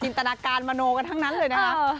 ตนาการมโนกันทั้งนั้นเลยนะคะ